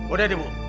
udah deh bu